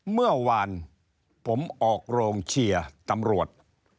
เมื่อวานผมออกโรงเชียร์ตำรวจ